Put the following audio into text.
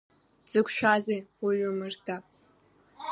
Дзықәшәази, уаҩы мыжда?!